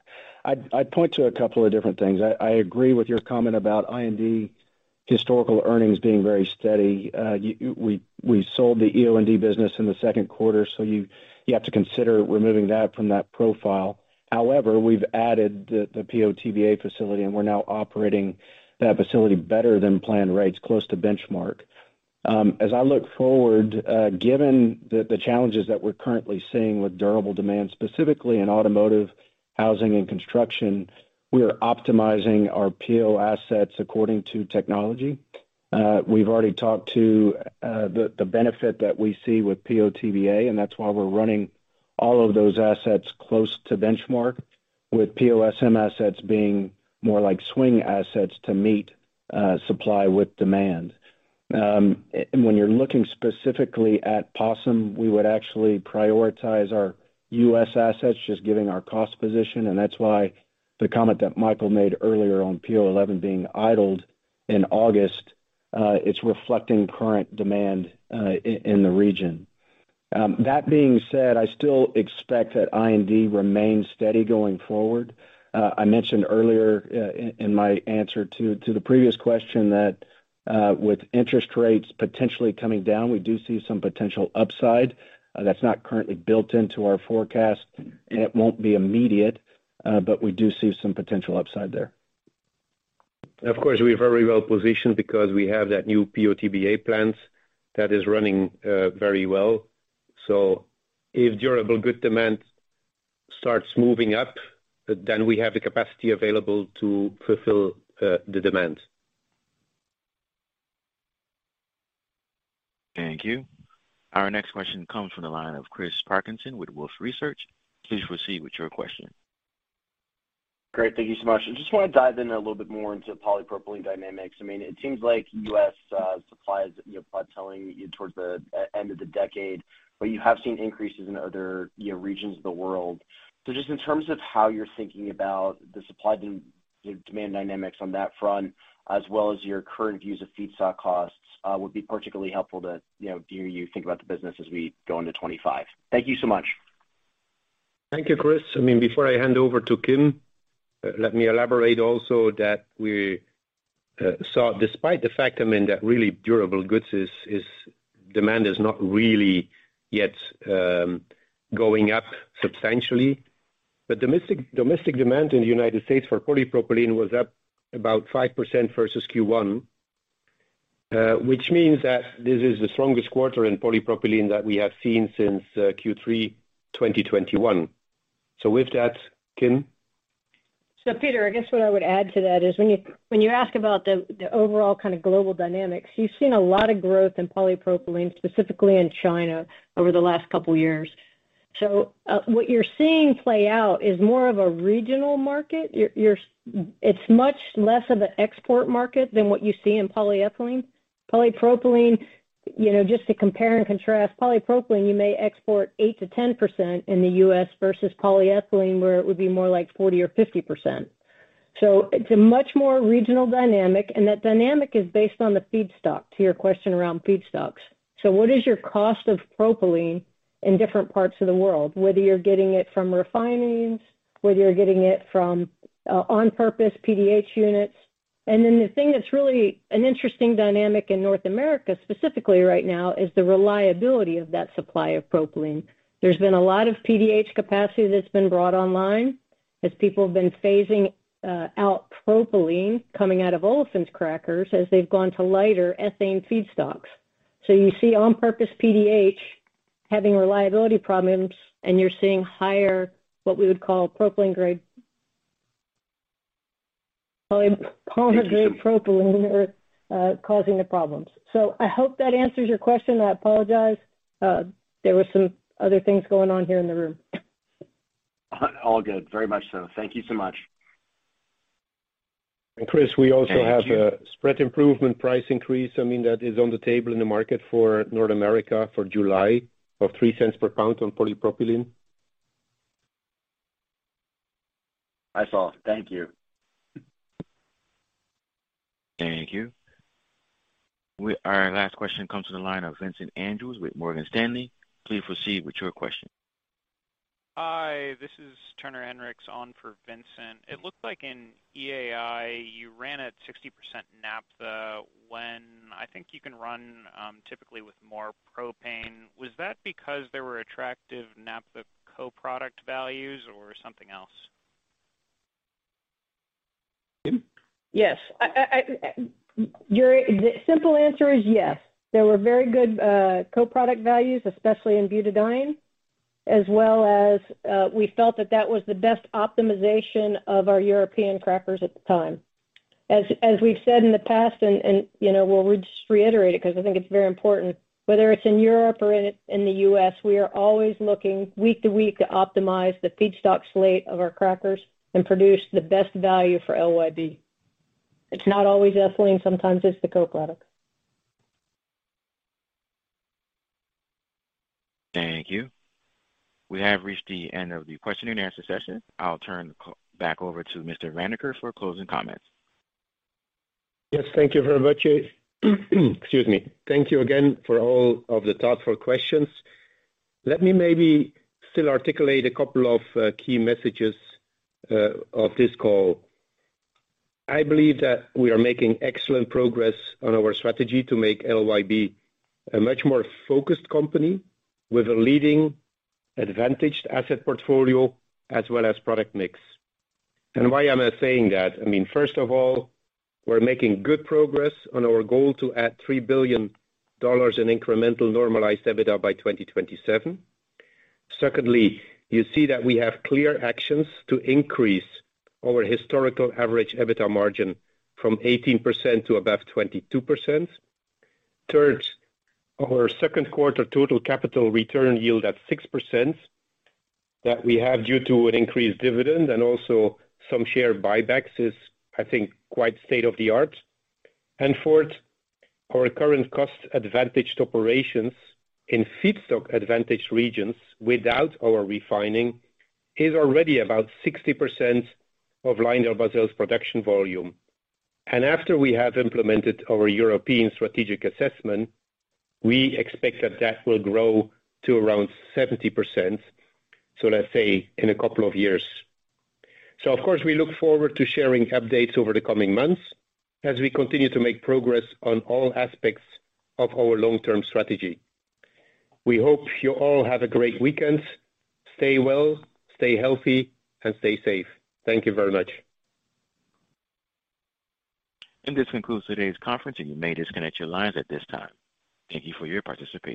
I'd point to a couple of different things. I agree with your comment about I&D historical earnings being very steady. We sold the EO&D business in the second quarter, so you have to consider removing that from that profile. However, we've added the PO/TBA facility, and we're now operating that facility better than planned rates, close to benchmark. As I look forward, given the challenges that we're currently seeing with durable demand, specifically in automotive, housing, and construction, we're optimizing our PO assets according to technology. We've already talked to the benefit that we see with PO/TBA, and that's why we're running all of those assets close to benchmark, with PO/SM assets being more like swing assets to meet supply with demand. When you're looking specifically at PO/SM, we would actually prioritize our U.S. assets, just giving our cost position. And that's why the comment that Michael made earlier on PO/SM being idled in August, it's reflecting current demand in the region. That being said, I still expect that I&D remains steady going forward. I mentioned earlier in my answer to the previous question that with interest rates potentially coming down, we do see some potential upside. That's not currently built into our forecast, and it won't be immediate, but we do see some potential upside there. We're already well positioned because we have that new PO TBA plant that is running very well. If durable good demand starts moving up, then we have the capacity available to fulfill the demand. Thank you. Our next question comes from the line of Chris Parkinson with Wolfe Research. Please proceed with your question. Great. Thank you so much. I just want to dive in a little bit more into polypropylene dynamics. It seems like U.S. supplies plateauing towards the end of the decade, but you have seen increases in other regions of the world. Just in terms of how you're thinking about the supply demand dynamics on that front, as well as your current views of feedstock costs, would be particularly helpful to hear you think about the business as we go into 2025. Thank you so much. Thank you, Chris. I mean, before I hand over to Kim, let me elaborate also that we saw, despite the fact, I mean, that really durable goods demand is not really yet going up substantially. Domestic demand in the United States for polypropylene was up about 5% versus Q1, which means that this is the strongest quarter in polypropylene that we have seen since Q3 2021. So with that, Kim. Peter, I guess what I would add to that is when you ask about the overall global dynamics, you've seen a lot of growth in polypropylene, specifically in China, over the last couple of years. So what you're seeing play out is more of a regional market. It's much less of an export market than what you see in polyethylene. Polypropylene, just to compare and contrast, polypropylene, you may export 8%-10% in the U.S. versus polyethylene, where it would be more like 40% or 50%. It's a much more regional dynamic, and that dynamic is based on the feedstock, to your question around feedstocks. What is your cost of propylene in different parts of the world, whether you're getting it from refineries, whether you're getting it from on-purpose PDH units? Then the thing that's really an interesting dynamic in North America specifically right now is the reliability of that supply of propylene. There's been a lot of PDH capacity that's been brought online as people have been phasing out propylene coming out of Olefins Crackers as they've gone to lighter ethane feedstocks. You see on-purpose PDH having reliability problems, and you're seeing higher, what we would call propylene-grade, polymer-grade propylene causing the problems. I hope that answers your question. I apologize. There were some other things going on here in the room. All good. Very much so. Thank you so much. Chris, we also have a spread improvement price increase. I mean, that is on the table in the market for North America for July of $0.03 per pound on polypropylene. I saw. Thank you. Thank you. Our last question comes from the line of Vincent Andrews with Morgan Stanley. Please proceed with your question. Hi, this is Turner Hendricks on for Vincent. It looks like in EAI, you ran at 60% naphtha when I think you can run typically with more propane. Was that because there were attractive naphtha co-product values or something else? Yes. The simple answer is yes. There were very good co-product values, especially in butadiene, as well as we felt that that was the best optimization of our European crackers at the time. As we've said in the past, and we'll just reiterate it because I think it's very important, whether it's in Europe or in the U.S., we are always looking week to week to optimize the feedstock slate of our crackers and produce the best value for LYB. Thank you. We have reached the end of the question and answer session. I'll turn back over to Mr. Vanacker for closing comments. Yes, thank you very much. Excuse me. Thank you again for all of the thoughtful questions. Let me maybe still articulate a couple of key messages of this call. I believe that we are making excellent progress on our strategy to make LYB a much more focused company with a leading advantaged asset portfolio as well as product mix, and why am I saying that? I mean, first of all, we're making good progress on our goal to add $3 billion in incremental normalized EBITDA by 2027. Secondly, you see that we have clear actions to increase our historical average EBITDA margin from 18% to above 22%. Third, our second quarter total capital return yield at 6% that we have due to an increased dividend and also some share buybacks is, I think, quite state-of-the-art. Fourth, our current cost-advantaged operations in feedstock-advantaged regions without our refining is already about 60% of LyondellBasell's production volume. After we have implemented our European strategic assessment, we expect that that will grow to around 70%, so let's say in a couple of years. we look forward to sharing updates over the coming months as we continue to make progress on all aspects of our long-term strategy. We hope you all have a great weekend. Stay well, stay health, and stay safe. Thank you very much. This concludes today's conference, and you may disconnect your lines at this time. Thank you for your participation.